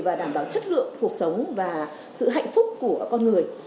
và đảm bảo chất lượng cuộc sống và sự hạnh phúc của con người